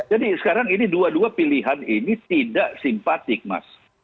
jadi sekarang dua dua pilihan ini tidak simpatik mas